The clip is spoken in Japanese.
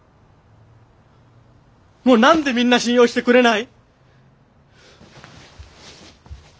もう何でみんな信用してくれない！？